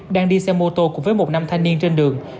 đang đi xe mô tô cùng với một nam thanh niên trên đường